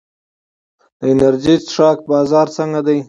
د انرژي څښاک بازار څنګه دی؟